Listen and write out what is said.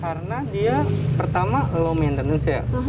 karena dia pertama low maintenance ya